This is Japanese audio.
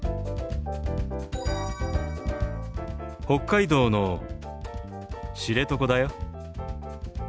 北海道の知床だよ。